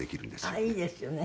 あっいいですよね。